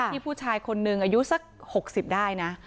ผู้ชายคนหนึ่งอายุสัก๖๐ได้นะ